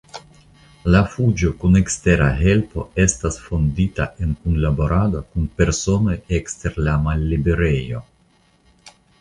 La fuĝo kun ekstera helpo estas fondita en kunlaborado kun personoj ekster la malliberejo.